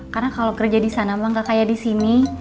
karena kalau kerja disana emang gak kaya disini